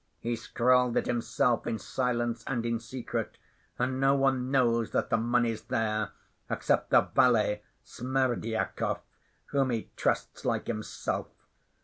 He scrawled it himself in silence and in secret, and no one knows that the money's there except the valet, Smerdyakov, whom he trusts like himself.